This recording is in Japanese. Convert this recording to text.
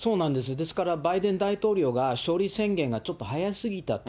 ですから、バイデン大統領が勝利宣言がちょっと早すぎたと。